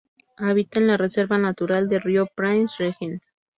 Habita en la Reserva Natural del Río Prince Regent.